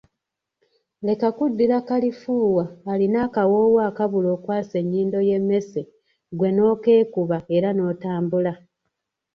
Leka kuddira kalifuuwa alina akawoowo akabula okwasa ennyindo y’emmese ggwe n’okeekuba era n’otambula!